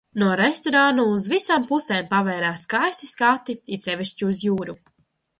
No restorāna uz visām pusēm paveras skaisti skati, it sevišķi uz jūru.